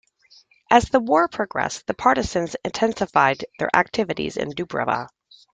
As the war progressed, the partisans intensified their activities in Dubrava.